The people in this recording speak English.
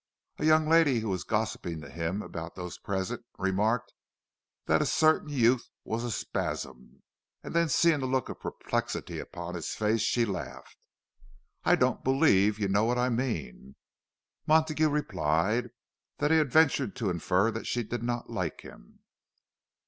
A young lady who was gossiping to him about those present remarked that a certain youth was a "spasm"; and then, seeing the look of perplexity upon his face, she laughed, "I don't believe you know what I mean!" Montague replied that he had ventured to infer that she did not like him.